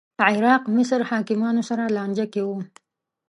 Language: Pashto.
عراق مصر حاکمانو سره لانجه کې و